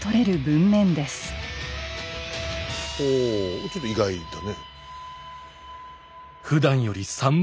ほうちょっと意外だね。